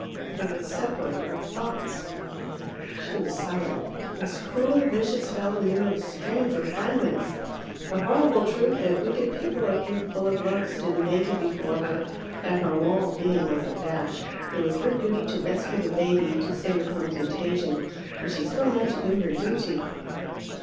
"They would separate our thoughts." She was silent. This cruel, vicious fellow knew of strange refinements. The horrible truth, that wicked people are capable of love, stood naked before her, and her moral being was abashed. It was her duty to rescue the baby, to save it from contagion, and she still meant to do her duty.